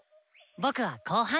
僕は後半！